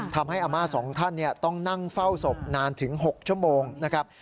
ทำให้อาม่า๒ท่านต้องนั่งเฝ้าศพนานถึง๖ชั่วโมงนะครับ